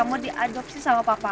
nama itu keluar dari panggilan reropan